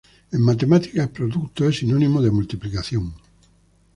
En matemáticas, producto es sinónimo de multiplicación.